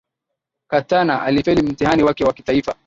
Katana alifeli mtihani wake wa kitaifa